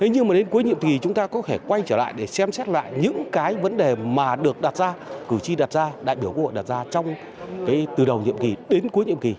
nhưng mà đến cuối nhiệm kỳ chúng ta có thể quay trở lại để xem xét lại những cái vấn đề mà được đặt ra cử tri đặt ra đại biểu quốc hội đặt ra từ đầu nhiệm kỳ đến cuối nhiệm kỳ